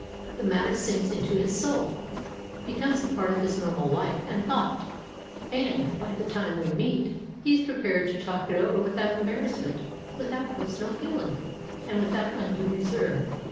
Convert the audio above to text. The matter sinks into his soul; becomes part of his normal life and thought; and, by the time we meet, he is prepared to talk it over without embarrassment, without personal feeling, and without undue reserve.